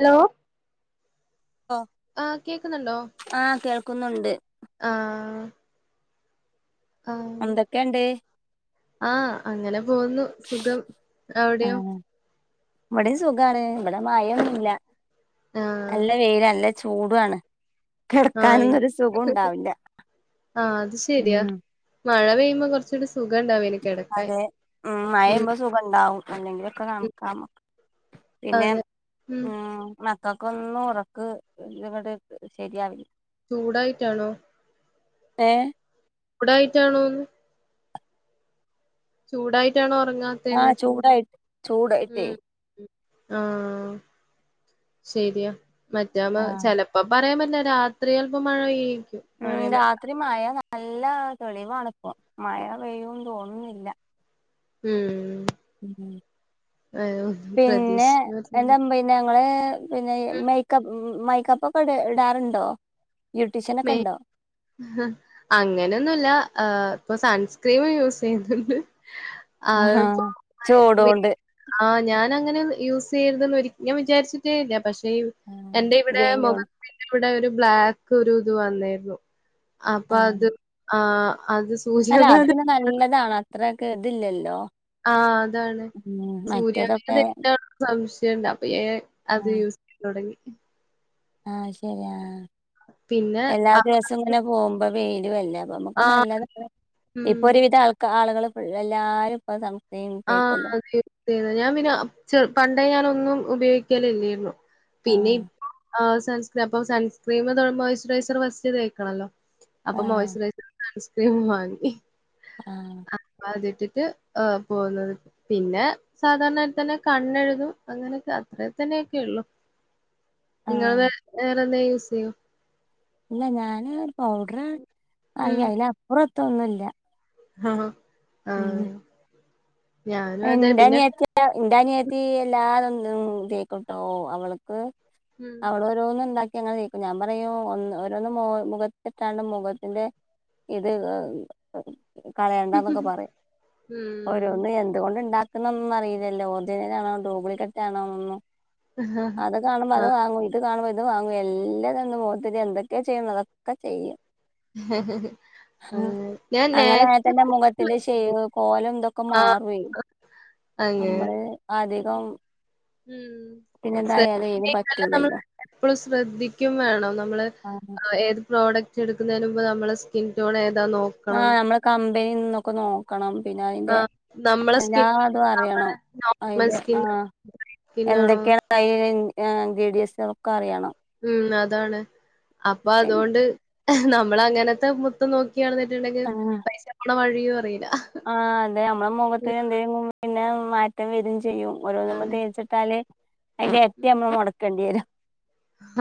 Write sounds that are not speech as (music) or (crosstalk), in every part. Hello? Hello ആഹ് കേക്കുന്നുണ്ടോ? ആഹ് കേൾക്കുന്നുണ്ട്. ആഹ് ഹായ് എന്തൊക്കെയുണ്ട് ആഹ് അങ്ങനെ പോന്നു സുഖം അവിടെയോ? ഇവിടെം സുഖാണ് ഇവിടെ മഴയൊന്നുല്ല ആഹ് നല്ല വെയിൽ നല്ല ചൂടും ആണ് ആഹ് കിടക്കാനൊന്നും ഒരു സുഖം ഉണ്ടാവില്ല ആഹ് അത് ശരിയാ ഉം മഴ പെയ്യുമ്പോ കുറച്ചൂടി സു സുഖംണ്ടാവേ അതെ ഉം മഴപെയ്യുംമ്പൊ സുഖം ഉണ്ടാവും അല്ലെങ്കിലൊക്കെ ഉം കണക്കാണ് പിന്നെ അതെ ഉം മക്ക മക്കക്കൊന്നും ഒറക്ക് ഇത്ങ്ങട്ട് ശരിയാവില്ല ചൂടായിട്ടാണോ ഏഹ് ചൂടായിട്ടാണോന്ന് ചൂടായിട്ടാണോ ഉറങ്ങാ ആഹ് ചൂടായി ചൂടായിട്ടേ ആഹ് ശരിയാ മറ്റേ ആമ്പോ ആഹ് ചിലപ്പൊ ഇപ്പൊ പറയാൻ പറ്റില്ല രാത്രി ചെൽപ്പൊ മഴ പെയ്യേരിക്കും ഉം രാത്രി മഴ നല്ല തെളിവാണിപ്പൊ മഴ പെയ്യുംന്ന് തോന്ന്ന്നില്ല ഉം പിന്നെ പ്രതീക്ഷിക്ക എന്റെമ്മ ഞങ്ങള് പിന്നെ മേയ്ക്കപ്പ് മൈക്കപ്പ് ഒക്കെ ഇട് ഇടാറുണ്ടോ ബ്യൂട്ടീഷ്യനൊക്കെ മേ ഉണ്ടോ അങ്ങനെയൊന്നുല്ല ഇപ്പൊ സൺസ്ക്രീമ് യൂസ് ചെയ്യുന്നുണ്ട് അത് ആഹാ (unintelligible) ഇപ്പൊ ചൂടോണ്ട് (unintelligible) ആഹ് ഞാനങ്ങനെയൊന്നും യൂസ് ചെയ്യരുത് എന്ന് ഒരി ഞാൻ വിചാരിച്ചിട്ടേയില്ല പക്ഷേ ആഹ് എന്റെ ഇവിടെ വെയിലോണ്ട് മുഖത്തിന്റെ ഇവിടെ ഒരു ബ്ലാക്ക് ഒരു ഇത് വന്നീര്ന്നു അപ്പൊ ആഹ് അത് ആഹ് അത് അല്ല അത് സൂര്യാഘാതം പിന്നെ നല്ലതാണ് അത്രക്ക് ഇതില്ലല്ലോ ആഹ് അതാണ് ഉം സൂര്യ മറ്റേതൊക്കെ (unintelligible) സംശയ്ണ്ട് അപ്പൊ ഞാൻ അത് ആഹ് യൂസ് ചെയ്യല് തുടങ്ങി ആഹ് ശരി ആഹ് പിന്നെ എല്ലാ ആഹ് ദിവസവും ഇങ്ങനെ പോമ്പോ വെയിലും അല്ലെ ഇപ്പൊ നമുക്ക് നല്ലതാണ് ഇപ്പൊ ഉം ഒരുവിധം ആൾക്കാ ആളുകൾ എല്ലാരും ഇപ്പ സൺ ആഹ് അതെ (unintelligible) ഞാൻ പിന്നെ ചെ പണ്ടേ ഞാനൊന്നും ഉപയോഗിക്കൽ ഇല്ലേയിരുന്നു പിന്നെ ആഹ് ഇപ്പൊ ആഹ് സൺസ് അപ്പൊ സൺസ്ക്രീമ് മോയ്സ്ചറൈസർ ഫസ്റ്റ് തേക്കണല്ലോ അപ്പൊ ആഹ് മോസ്ചറൈസർ സൺ‌സ്ക്രീമും വാങ്ങി ആഹ് ആഹ് അതിട്ടിട്ട് ആഹ് പോക്ന്നത് പിന്നെ സാധാരണമാരിതന്നെ കണ്ണെഴുതും അങ്ങനൊക്കെ അത്രേത്തെ തന്നെയൊക്കെ ഉള്ളു നിങ്ങൾ ആഹ് വേ വേറെ എന്തേ യൂസ് ചെയ്യോ ഇല്ല ഞാന് ഒരു പൗഡർ ആഹ് ഉം അയില് അപ്പുറത്തൊന്നുംല്ല ആഹ് ഉം ആഹ് ഞാനും അതെ എന്റെ പിന്നെ അനിയത്തിയൊ ഇന്റെ അനിയത്തി എല്ലാതും തേക്കുട്ടോ അവൾക്ക് ഉം അവള് ഓരോന്നും ഇണ്ടാക്കി അങ്ങനെ തേക്കും ഞാൻ പറയും ഒന്ന് ഓരോന്ന് മുഖത്തിട്ടാണ്ട് മുഖത്തിന്റെ ഇത് കളയണ്ടാന്നൊക്കെ പറയും ഉം ഓരോന്ന് എ എന്ത് കൊണ്ട് ഇണ്ടാക്കുന്നൊന്നും അറിയില്ലല്ലോ ഒറിജിനലാണോ ഡ്യൂബ്ളിക്കററ് ആണോന്നൊന്നും അത് കാണുമ്പോ അത് ആഹ് വാങ്ങുവേ ഇത് കാണുമ്പോ ഇത് വാങ്ങും എല്ലതും ഇണ്ട് മോത്തിന് എന്തൊക്കെയ ചെയ്യാൻ ഇള്ളത് അതൊക്കെ ചെയ്യും അങ്ങനെ ഞാൻ അങ്ങനെ ആയാൽ തന്നെ മുഖത്തിന്റെ നാച്ചുറൽ ഷേവ് കോലം ഇതൊക്കെ ആഹ് മാറൂവേ അങ്ങനെ നമ്മള് അധികം ഉം, പിന്നെന്തായാലും അയിന് (unintelligible) നമ്മൾ പറ്റൂലല്ലോ എപ്പളും ശ്രദ്ധിക്കും വേണം നമ്മള് ആഹ് ഏത് പ്രോഡക്ട് ച്ചെട്ക്കുന്നതിന് മുമ്പ് നമ്മളെ സ്കിൻടോണേതാ നോ ആ ഞമ്മളെ കമ്പനി ന്നൊക്കെ നോ ക്കണം പിന്നെ അയ്ന്റെ ആഹ് നമ്മളെ അയ്ന്റെ സ്കിൻ ആ ഇതും അറിയണം അയ്ന്റെ ആ പിന്നാണ് (unintelligible) ഒക്കെ അറിയണം ഉം അതാണ് അപ്പൊ പിന്നെ അതോണ്ട് നമ്മളങ്ങനത്തെ മുത്തം നോ ക്കി നടന്ന്ട്ട്ണ്ടെങ്കി പൈസപോണ വഴിയും അറില്ല ആ അതെ നമ്മളെ മൊഖത്ത്ന് എന്തെലും പിന്നെ മാറ്റം വെരും ചെയ്യും ഓരോന്നമ്മള് ആണ്. തേച്ച്ട്ടാല് അയ്ന്റെര്ട്ടി ഉം ഞമ്മള് മൊടക്കണ്ടി വെരും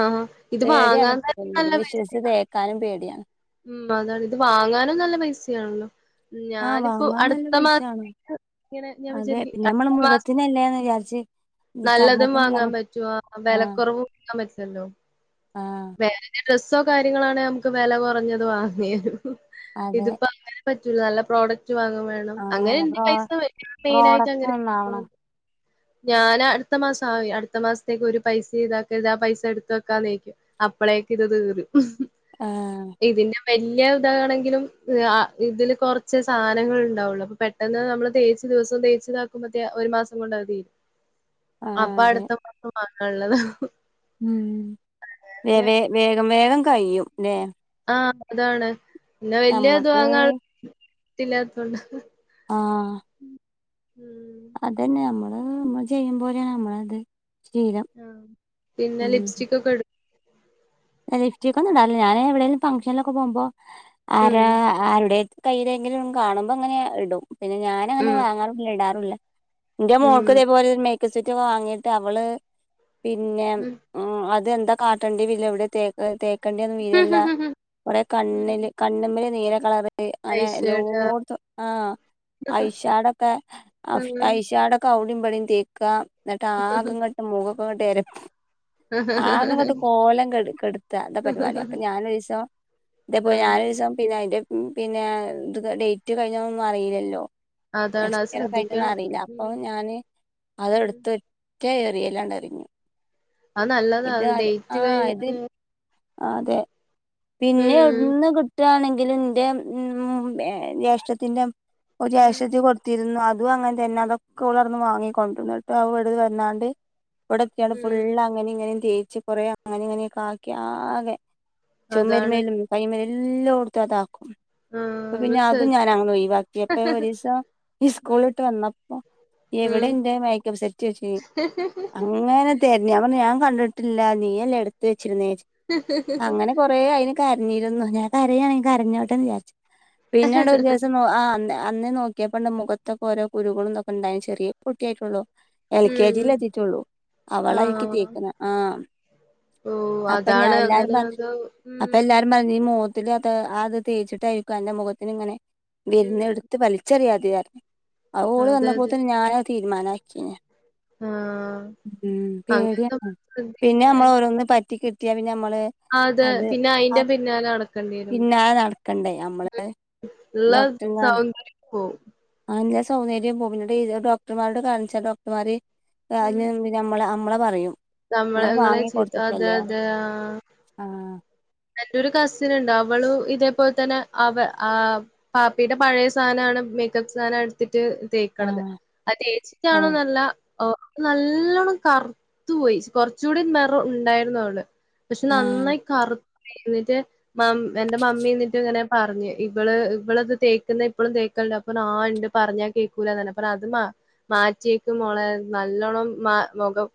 ആഹ് ഇത് പേടിയാണ് വാങ്ങാൻ തന്നെ നല്ല പ്പതൊന്നിലും പൈസയാ. വിശ്വസിച്ച് തേക്കാനും പേടിയാണ് ഉം അതാണ് ഇത് വാങ്ങാനും നല്ല പൈസയാണല്ലോ ആഹ് ഞാനിപ്പോ വാങ്ങാൻ നല്ല അടുത്ത പൈസയാണ് മാസത്തേക്ക് ഇങ്ങനെ ഞാൻ അതെ വിചാരിക്കും പിന്നമ്മള് അടുത്ത മാസം മുഖത്തിനല്ലേന്ന് വിചാരിച്ച് നല്ലതും ചർമ്മത്തിനല്ല വാങ്ങാൻ പറ്റൊ ആഹ് വെലക്കുറവ് (unintelligible) ആഹ് വേറെ ഡ്രസ്സോ കാര്യങ്ങളാണെ നമ്മക്ക് വെല കൊറഞ്ഞത് വാങ്ങേനു അതെ ഇതിപ്പോ അങ്ങനെ പറ്റൂല നല്ല പ്രോഡക്റ്റ് വാങ്ങും വേണം ആഹ് അങ്ങനെ അല്ല ന്റെ പ്രോ പൈസ മെയിനായിട്ട് പ്രോഡക്റ്റ് അങ്ങനെ നന്നാവണം പോണ് ഞാൻ അടുത്ത മാസം ആ അടുത്ത മാസത്തേക്ക് ഒരു പൈസ ഇതാക്കര്ത് ആ പൈസ ഇട്ത്ത് വെക്കാന്നേക്കും അപ്പളേക്ക്ത് തീരും ആഹ് ഇതിന്റെ വല്യതാണെങ്കിലും ആ ഇതില് കൊർച്ച് സാനങ്ങണ്ടാവൊള്ളു അപ്പൊ പെട്ട ട്ടെന്ന് നമ്മള് തേച്ച് ദിവസം തേച്ച്താക്കുമ്പത്തേ ഒരു മാസങ്ങൊണ്ടത് തീരും ആഹ് അപ്പൊ അതെ അടുത്ത മാസം വാങ്ങാള്ളതാവും ഉം വേ വേ വേഗം വേഗം കയ്യും ല്ലെ ആ അതാണ് പിന്നെ വെല്യ ത് നമ്മക്ക് വാങ്ങാള്ള ത്തില്ലാത്തോണ്ട ഉം അതെന്നെ നമ്മള് നമ്മള് ചെയ്യും പോലെണ് നമ്മളത് ശീലം ആഹ് പിന്നെ ഉം ലിപ്സ്റ്റിക് ഒക്കെ ഇടും ലിഫ്റ്റൊക്കൊന്നും ടാറില്ല ഞാൻ എവിടെലും ഫംഗ്ഷനിലൊക്കെ പോകുമ്പോ ഉം ആരാ ആരുടെ കയ്യിലെങ്കിലും കാണുമ്പോ ങ്ങനെ ഇടും പിന്നെ ഞാനങ്ങനെ വാങ്ങാറുല്ല ഇടാറുല്ല ന്റെ ഉം മോൾക്ക് ഇതേപോലെ മേക്കപ്പ് സെറ്റൊക്കെ വാങ്ങിട്ട് അവള് പിന്നെ ഉം അതെന്താ കാട്ടണ്ടി വില്ല ഇവടെ തേക്ക തേക്കണ്ടിയെ വീരല്ല കൊറെ കണ്ണില് ഉം കണ്ണ്മ്മല് നീല കളർ (unintelligible) അനെ ഐഷേഡ് എല്ലോട്ത്തും ആ ഐഷാടൊക്കെ (unintelligible) ഉം ഐഷാടൊ ക്കെ ഔടിംഇപടിം തേക്ക ന്ന്ട്ടാകെ ഇങ്ങട്ട് മൊഖൊക്കെ ങ്ങട്ട് എരപ്പ ആകെങ്ങട്ട് കോലംകെട് ത്താ ഇതാ പരിപാടി അപ്പൊ ഞാനൊരിസം ഇതേ പോലെ ആഹ് ഞാന് രുസം പിന്നെ അയ്ന്റെ പിന്നെ ഇത് ഡേറ്റ് കയ്ഞ്ഞൊന്നൊന്നും അറില്ലല്ലോ അതാണ് അത് എക്സ്പെറ് ശ്രദ്ധിക്കണം കയ്ഞ്ട്ട്ണ്ടോന്നറില്ല ഉം അപ്പൊ ഞാന് ഉം അതെട്ത്ത് റ്റ എറിയലാ ണ്ടറിഞ്ഞു. അത് നല്ലതാ ഇത് അത് ഡേറ്റ് ആഹ്‌ ഇത്. കഴിഞ്ഞ് ആ അതെ പിന്നെ ഉം എവ്ട്ന്ന് കിട്ടാങ്കിലും ഇന്റെ ഉമ് ജ്യേഷ്ഠത്തിന്റെ ഒരു ഉം ജേഷ്‌ടത്തി കൊട് ത്തിരുന്നു അതും അങ്ങൻത്തെന്നെ അതൊക്കോളവട്ന്ന് വാങ്ങി കൊണ്ട്രും ന്ന്ട്ട് അത് ഇവടെ വന്നാണ്ട് ഇവടെത്യാണ്ട് ഉം ഫുള്ള് അങ്ങനെ ഇങ്ങനും തേച്ച് കൊറേ അങ്ങനെ ഇങ്ങനൊക്കാക്കി ആകെ അതാണ് ചൊമര്മ്മലും കൈമ്മലും എല്ലോട്ത്തും അതാക്കും ആഹ് അപ്പൊ നമ്മള് പിന്നെ അതും ശ്രദ്ധ ഞാനങ്ങനൊയ് വാക്കി അപ്പം ഒരീസം ഉം സ്കൂള്ട്ട് വെന്നപ്പോ ഇവിടെ ഉം ന്റെ മെയ്ക്കപ്പ് സെറ്റ് വെച്ചീനി അങ്ങനെ തെരഞ് ഞാ പർഞ് ഞാൻ കണ്ടിട്ടില്ല നീയല്ലേ എടുത്ത് വെച്ചിരുന്നേ ച്ച് ഹ് ഹ് ഹ് ഹ് കുറേ അതിന് കരഞ്ഞിരുന്നു ഞാൻ കരയാണെങ്കിൽ കരഞ്ഞോട്ടെന്ന് വിചാരിച്ചു പിന്നെണ്ട് ഒരു ദിവസം ആഹ് അന്നെ അന്ന് നോക്കിയപ്പോ ഉണ്ട് മുഖത്തൊ ഓരോ കുരുകളുംതൊക്കെ ഉണ്ടായിന്നു ചെറിയ കുട്ടിയായിട്ടുള്ളോ എൽ കെ ഉം ജി ലെത്തിട്ടുള്ളൂ അവളാഇക്കി ആഹ് കേക്ക്‌ന്ന ആഹ് ഓ അപ്പൊ ഞാൻ അതാണ് അങ്ങനെ എല്ലാരുംപറ അത് ഉം അപ്പ എല്ലാരുംപറഞ്ഞു നീ മോത്തിലത്, ആ അത് തേച്ചിട്ടായിരിക്കും അന്റെ മൊഖത്തിന് ഇങ്ങനെ വരുന്ന് ഉം ഇടുത്ത് പറയും. ചെറിയാതിയാരുന്നു. അത് ഓള് അതെ വന്നപ്പോ അതെ തന്നേ ഞാൻ അത് തീരുമാനാക്കി ഞാൻ. ആഹ് ഉം അങ്ങനത്തെ പേടിയാണെ നമ്മള് പിന്നെ ശ്രദ്ധിക്കണം നമ്മൾ എൻ- ഓരോന്ന് പറ്റി കിട്ട്യാ പിന്നെ ഞമ്മള് അതെ പിന്നെ അയിന്റെ പിന്നാലെ നടക്കണ്ടി വരും പിന്നാലെ നടക്കണ്ടേ നമ്മള് ഇള്ള സൗന്ദര്യവും പോവും ആഹ് ഇള്ള സൗന്ദര്യം പോവും. ഇന്നട്ട് ഈ ഡോക്ടർമാരോട് കാണിച്ചാ ഡോക്ടർമാര് ആഹ് അതിന് നമ്മള നമ്മളെ പറയും നിങ്ങൾ തമ്മളങ്ങളെ വാങ്ങി ചീത്ത അതെ കൊടുത്തിട്ടല്ലേ പറയും അതെ ആഹ് ആഹ് എന്റൊരു കസിന്ണ്ട്, അവളു ഇതേപോൽ തന്നെ അവെ ആഹ് പാപ്പിയുടെ യുടെ പഴെ സാനാണ് മേക്കപ്പ് സാനാ ത്തിട്ട് തേക്കണത് ആഹ് അത് ആഹ് തേച്ചിട്ടാണോന്നല്ല ഓ നല്ലോണ്ണം കറുത്തുപോയി കൊറച്ചൂടെ നേറം ഉണ്ടായിരുന്നു അവള് പക്ഷേ ആഹ് നന്നായി കറു ന്നിട്ട് മം എന്റെ മമ്മി എന്നിട്ട് ഇങ്ങനെ പറഞ് ഇവള് ഇവളത് തേക്കുന്ന ഇപ്പഴും തേക്കലുണ്ട് അപ്പൊ ആ ഉണ്ട് പറഞ്ഞാ കേക്കൂലന്നെ അപ്പം നാസിമാ അത് മാറ്റിയേക്ക് മോളെ നല്ലോണം മ മുഖം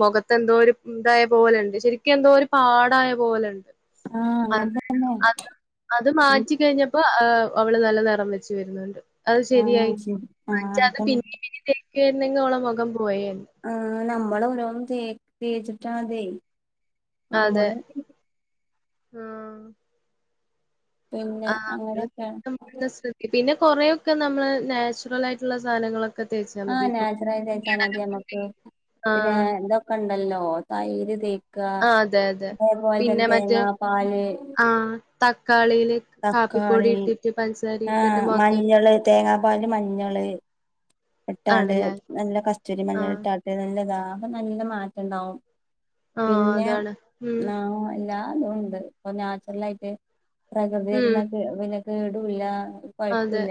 മുഖത്തെന്തോരു ഇതായ പോലെണ്ട് ശരിക്കെന്തോരു പാടായ പോലെണ്ട് ആഹ് അ അങ്ങനെ തന്നെ അത് അത് മാറ്റി കഴിഞ്ഞപ്പോ ഏഹ് അവള് നല്ല നെറം വെച്ച് വരുന്നുണ്ട് അത് ആഹ് ശെരിയായി ശരി ആഹ് മറ്റെ അത് അതന്നെ പിന്നിം പിന്നിം തേക്കാരുന്നെങ്കി ഓളെ മൊഖം പോയേനെ ആഹ് നമ്മളോരോന്ന് തേ തേച്ചിട്ടാണിതെ അതെ. നമ്മള് ആഹ്. പിന്നെ ആഹ് അങ്ങനെയൊക്കെയാണ് പിന്നെ കൊറെയൊക്കെ നമ്മള് നാച്ചുറലായിട്ടുള്ള സാനങ്ങള് ആഹ് നാച്ചുറൽ തേച്ചാൽ മതി നമ്മുക്ക് പിന്നേ ആഹ് ഇതെക്കെ ഉണ്ടല്ലോ തൈര് തേ ആഹ് അതെ അതെ. അതേപോലെ തന്നെ പിന്നെ തേങ്ങാ പാല് തക്കാളില് കാപ്പിപ്പൊടി തക്കാളി ഇട്ടിട്ട് പഞ്ചസാര ഇട്ടിട്ട് ആഹ് മൊകത്തൊരു മഞ്ഞള് തേങ്ങാപ്പാലില് മഞ്ഞള് ഇട്ടാണ്ട് നല്ല കസ്റ്റൂരി മഞ്ഞള് ആഹ് ഇട്ടാട്ട് നല്ല ഇതാ അപ്പൊ നല്ല മാറ്റണ്ടാവും ആഹ് പിന്നെ അതാണ്. ഉം അതൊണ്ട് ഇപ്പൊ നാച്ചുറൽ ആയിട്ട് പ്രകൃതി ഉം പിന്നെ കേടില്ല അതെ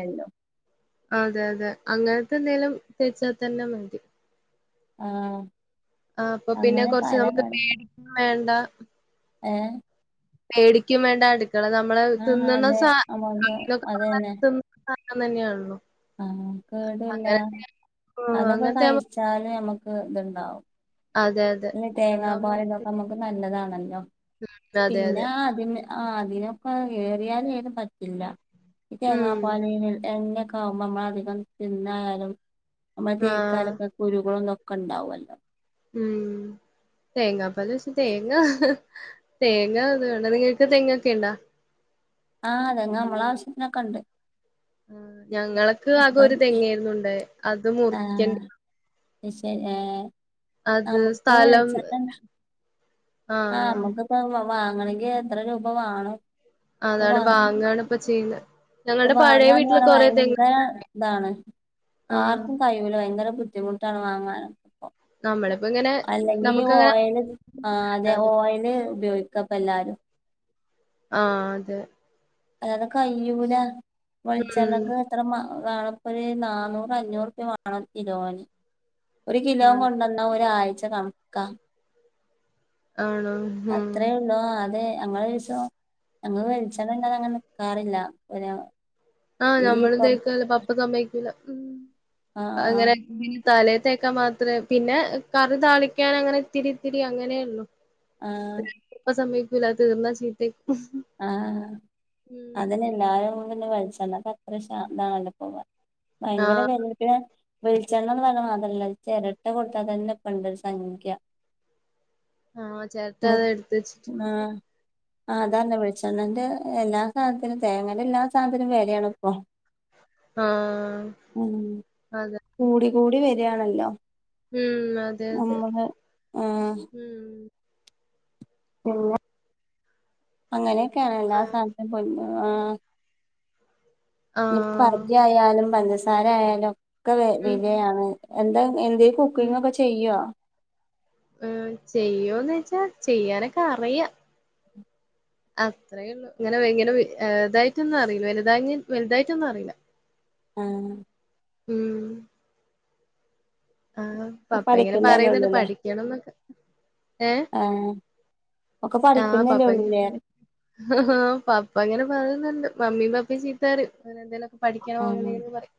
അതെ അതെ അങ്ങനത്തെന്തേലും തേച്ചാ തന്നെ മതി ആഹ് ആ അപ്പം അങ്ങനെ പിന്നെകൊറച്ച് പല നമുക്ക് പല പേടിക്കും വേണ്ട ഏഹ് പേടിക്കും വേണ്ട അടുക്കള നമ്മളെ ആഹ് തിന്ന്ണ അതെ സാ നമുക്ക് അങ്ങനെ ഒക്കെ പറഞ്ഞാ അതന്നെ തിൻ കാരണം തന്നെയൊള്ളു ആഹ് കേടില്ല ഓ അതൊക്കെ അങ്ങനത്തെ ആവുമ്പോ കഴിച്ചാല് ഞമ്മക്ക് ഇത്ണ്ടാവും അതെ അ- പിന്നേ തേങ്ങാ പാല് ഇതൊക്കെ നമുക്ക് നല്ലതാണല്ലോ അതെ പിന്നേ അതെ അതിന് ആ അതിനൊക്കെ ഏറിയാല് അയ്‌ന് പറ്റില്ല ഇ ഉം തേങ്ങാപ്പാല് എണ്ണ ആകുമ്പോ നമ്മള അധികം തിന്നായാലും നമ്മൾ ആഹ് തേക്കാലൊക്കെ കുരുകളുംന്നൊക്കെ ഉണ്ടാവുല്ലോ ഉം തേങ്ങ പാലൊഴിച്ച് തേങ്ങ തേങ്ങ അത് വേണ്ട നിങ്ങൾക്ക് തേങ്ങ ഒക്കെ ഉണ്ടാ ആഹ് ഞങ്ങ നമ്മളെ ആവശ്യത്തിനൊക്കെ ഉണ്ട് ആഹ് ഞങ്ങൾക്ക് ആകെ അപ്പം ഒരു തെങ്ങേര്ന്നുണ്ടഹ്. അത് മുർക്യ അത് ശെരി ഏ അത് നമുക്ക് സ്ഥലം വേടിച്ചാലെന്താ ആ ആഹ് മ്മക്ക് പ്പ അത് വാ വാങ്ങണെങ്കി എത്ര രൂപ വാണം അതാണ് വാങ്ങാണ് പ്പൊ ചെയ്യ്ന്നെ അത് വാങ്ങാന്ന് പറഞ്ഞാ ഭയങ്കര താണ് ആഹ് ആർക്കും ക യ്യൂല ഭയങ്കര ബുദ്ധിമുട്ടാണ് വാങ്ങാന് പ്പൊ നമ്മളിപ്പോ ഇങ്ങനെ അല്ലെങ്കി നമുക്കങ്ങനെ ഓയല് ആ അതെ ണ്ടാത് ഓയല് ഉപയോഗിക്കപ്പെല്ലാരും ആ അതെ അതെണക്ക് കഴിയ്യൂല ഉം വെളിച്ചെണ്ണക്ക ത്ര മ വേണപ്പഴ് നന്നൂറ് അഞ്ഞൂറുപ്യ വാണം കിലോന് ഒരു കിലോ ആണ് കൊണ്ട ഒരാഴ്ച കണക്ക ആണോ ഉം അത്രേ ഒള്ളൂ ആ അതെ ഞങ്ങള് കൈച്ചോ ഞങ്ങള് ഉം കൈച്ച് ഞങ്ങെ രണ്ടാളും നിക്കാറില്ല ഒരു ആഹ് ഈ നമ്മളും പൊർ തേക്കല്ല പപ്പസമ്മേക്കൂല ആഹ് അങ്ങനെ ഇങ്ങനെ തലേത്തേക്കാൻ മാത്രേ പിന്നെ കറി താളിക്കാൻ അങ്ങനെ ഇത്തിരി ഇത്തിരി അങ്ങനെയുള്ളു ആഹ് ഇപ്പ സമ്മേക്കൂല്ല അത് തീർന്ന ചീത്തി ആഹ് അതന്നെ എല്ലാവരും എന്ന വെളിച്ച അപ്പ അത്ര ശാന്താണല്ല പോവാ ഭയങ്കര ആഹ് വെളുപ്പിയ വെളിച്ചെണ്ണ വാങ്ങാൻ മാത്രല്ല ചെരട്ട കൊടുത്താ തന്നെ ഇപ്പ ഇണ്ടൊരു സംഖ്യ ആഹ് ചെരട്ട മു ദ എടുത്ത് വെച്ചിട്ടു ആ എന്താ വിളിച്ചെണ്ണേന്റെ എല്ലാ സാധനത്തിനും തേങ്ങന്റെ എല്ലാ സാധനത്തിനും വേലയാണിപ്പൊ ആഹ് അതെ കൂടി കൂടി വെരാണല്ലോ ഉം അതെ അതെ നമ്മള് ആ ഉം പിന്നെ അങ്ങനെയൊക്കാണല്ലാ ആഹ് സാനത്തിനും ആ ഇനിപ്പോ ആഹ് പരിചയായാലും പഞ്ചസാര ആയാലും ഒക്കെ ഉം വെലയാണ് എന്താ എന്ത് കുക്കിങ് ഒക്കെ ചെയ്യോ ഉം ചെയ്യോന്ന് വെച്ചാ ചെയ്യാനൊക്കറിയ അത്രേ ഒള്ളൂ ഇങ്ങനെ ഇങനെ ഇതായിട്ടൊന്നു അറിയില്ല വലുതാങി വലുതായിട്ടൊന്നറിയില്ല ആഹ് ഉം ആഹ് ഒക്കെ പപ്പ ഇങ്ങനെ പഠിക്കുന്നല്ലേ പറയുന്നുണ്ട് പഠിക്കണംന്നൊക്കെ ആ ഒക്കെ പഠിക്കുന്നല്ലേ ഒള്ളൂലെ ഹ് ഹാ പപ്പ ഇങ്ങനെ പറയുന്നുണ്ട് മമ്മീം പപ്പേം ചീത്ത പറയും എന്തേലും പഠിക്കണോ ആഹ് അങ്ങനെയന്ന് പറയും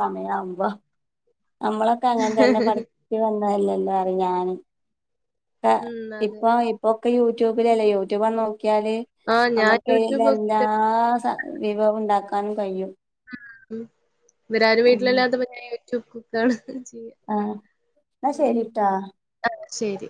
സമയാവുംമ്പോ നമ്മളൊക്കെ അങ്ങന തന്നെ പഠി ച്ച് വന്നയല്ലേ ഏല്ലാറിയ ഞാന് ഇപ്പ ഉം അതെ ഇപ്പ ഇപ്പൊക്കെ യൂട്യൂബിലല്ലേ യൂട്യൂബൊന്ന് നോക്കിയാല് ആഹ് ഞാൻ യൂട്യൂബ് നമ്മുക്കറിയ്ന്ന എല്ലാ നോക്കിട്ട് സാ വിഭവം ഉണ്ടാക്കാനും കഴിയും ഉം ഇവരാരും ഉം വീട്ടിലില്ലാത്തെപ്പ ഞാൻ യൂട്യൂബ് കുക്കാണ് ചെയ്യ ആഹ് അപ്പ ശരീട്ട ആഹ് ശരി